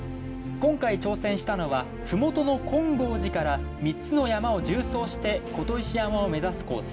今回挑戦したのは麓の金剛寺から３つの山を縦走して琴石山を目指すコース。